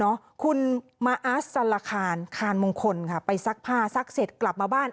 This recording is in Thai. คุณมาอัสสัลคารคานมงคลค่ะไปซักผ้าซักเสร็จกลับมาบ้าน